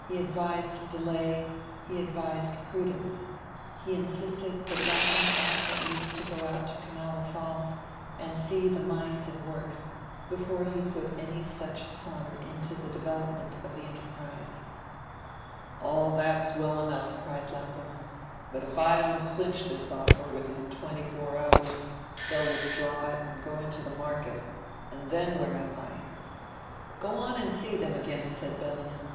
He advised delay, he advised prudence; he insisted that Lapham ought at least to go out to Kanawha Falls, and see the mines and works before he put any such sum into the development of the enterprise. "That's all well enough," cried Lapham; "but if I don't clinch this offer within twenty four hours, they'll withdraw it, and go into the market; and then where am I?" "Go on and see them again," said Bellingham.